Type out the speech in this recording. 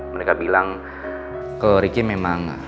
mereka bilang kalau riki memang